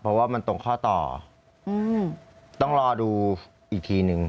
เพราะว่ามันตรงข้อต่อต้องรอดูอีกทีนึง